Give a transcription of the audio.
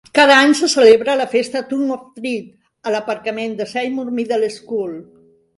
Cada any se celebra la festa "trunk or treat" a l"aparcament de Seymour Middle School.